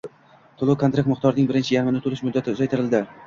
Toʻlov-kontrakt miqdorining birinchi yarmini toʻlash muddati uzaytirildi.